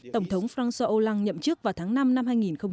tổng thống phanxuaholang nhậm chức vào tháng năm năm hai nghìn một mươi hai